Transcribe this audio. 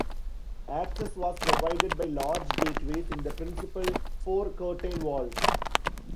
Access was provided by large gateways in the principal four curtain walls.